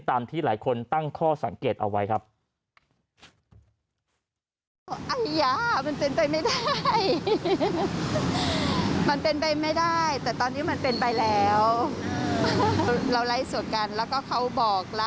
ตามที่หลายคนตั้งข้อสังเกตเอาไว้ครับ